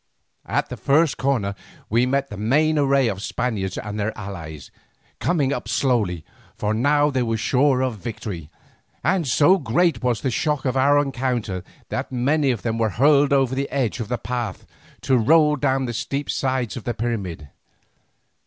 At the first corner we met the main array of Spaniards and their allies, coming up slowly, for now they were sure of victory, and so great was the shock of our encounter that many of them were hurled over the edge of the path, to roll down the steep sides of the pyramid.